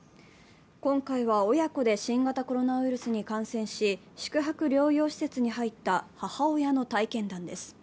今回は親子で新型コロナウイルスに感染し、宿泊療養施設に入った母親の体験談です。